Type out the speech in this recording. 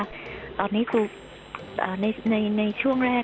ตอนนี้คือในช่วงแรก